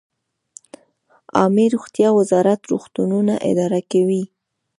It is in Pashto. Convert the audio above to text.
عامې روغتیا وزارت روغتونونه اداره کوي